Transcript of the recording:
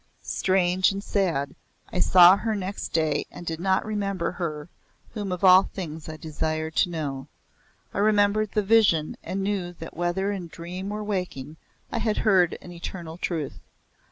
Strange and sad I saw her next day and did not remember her whom of all things I desired to know. I remembered the vision and knew that whether in dream or waking I had heard an eternal truth.